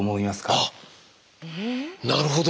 あっなるほど。